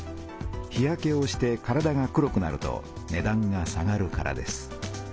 日焼けをして体が黒くなるとねだんが下がるからです。